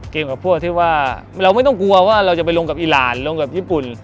กับพวกที่ว่าเราไม่ต้องกลัวว่าเราจะไปลงกับอีรานลงกับญี่ปุ่น